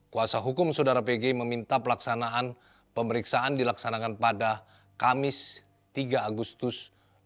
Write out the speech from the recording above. kuasa hukum saudara pg meminta pelaksanaan pemeriksaan dilaksanakan pada kamis tiga agustus dua ribu dua puluh